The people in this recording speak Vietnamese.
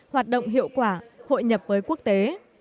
hoạt động hiệu quả hội nhập với quốc tế